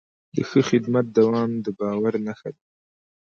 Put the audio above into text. د ښه خدمت دوام د باور نښه ده.